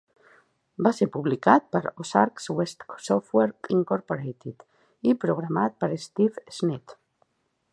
Va ser publicat per Ozarks West Software Incorporated i programat per Steve Sneed.